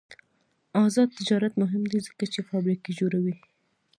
آزاد تجارت مهم دی ځکه چې فابریکې جوړوي.